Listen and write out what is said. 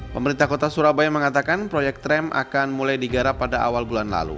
pemerintah kota surabaya mengatakan proyek tram akan mulai digarap pada awal bulan lalu